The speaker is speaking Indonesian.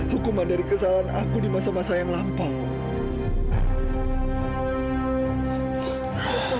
hukuman dari kesalahan aku di masa masa yang lampau